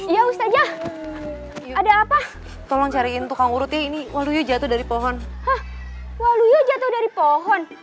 ya ustazah ada apa tolong cariin tukang urut ini walu jatuh dari pohon walu jatuh dari pohon